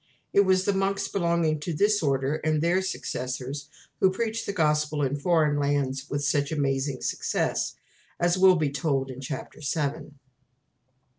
It was the monks belonging to this Order, and their successors, who preached the Gospel in foreign lands with such amazing success, as will be told in Chapter VII.